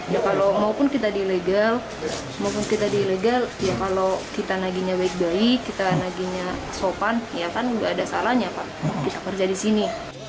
ya kalau maupun kita di ilegal maupun kita di ilegal ya kalau kita naginya baik baik kita naginya sopan ya kan nggak ada salahnya pak kita kerja di sini